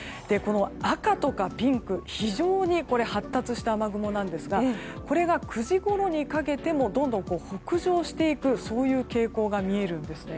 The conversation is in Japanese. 赤とかピンク非常に発達した雨雲なんですがこれが９時ごろにかけてもどんどん北上していくそういう傾向が見えるんですね。